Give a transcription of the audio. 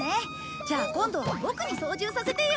じゃあ今度はボクに操縦させてよ。